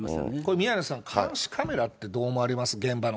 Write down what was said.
宮根さん、監視カメラってどう思われます、現場の。